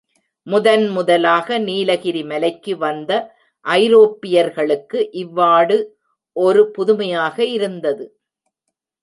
முதன் முதலாக நீலகிரி மலைக்கு வந்த ஐரோப்பியர்களுக்கு இவ்வாடு ஒரு புதுமையாக இருந்தது.